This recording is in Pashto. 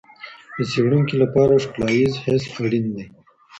د څېړونکي لپاره ښکلا ییز حس اړین دی.